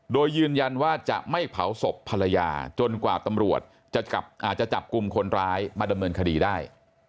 โดยยืนยันว่าจะไม่เผาศพภรรยาจนกว่าตำรวจจะจับกลุ่มคนร้ายมาดำเนินคดีได้